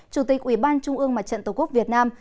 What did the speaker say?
chủ tịch ủy ban trung ương mặt trận tổ quốc việt nam